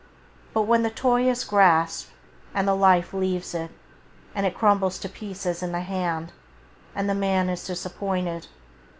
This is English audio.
But when the toy is grasped the life leaves it, and it crumbles to pieces in the hand, and the man is disappointed.